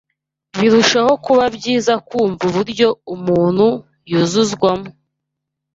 Birushaho kuba byiza kwumva 'uburyo umuntu yuzuzwamo,